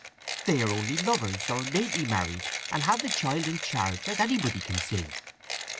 "They are only lovers, or lately married, and have the child in charge, as anybody can see."